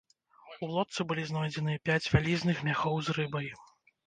У лодцы былі знойдзеныя пяць вялізных мяхоў з рыбай.